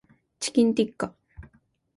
チキンティッカ